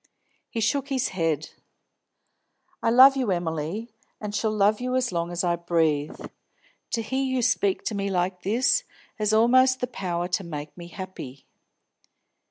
He shook his head. "I love you, Emily, and shall love you as long as I breathe. To hear you speak to me like this has almost the power to make me happy.